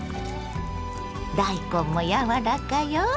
大根も柔らかよ。